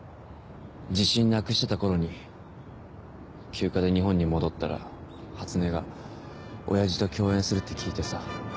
自信なくしてた頃に休暇で日本に戻ったら初音が親父と共演するって聞いてさ。